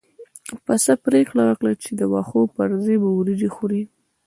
پسه پرېکړه وکړه چې د واښو پر ځای به وريجې خوري.